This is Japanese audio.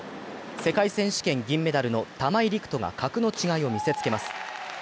世界選手権銀メダルの玉井陸斗が格の違いを見せつけます。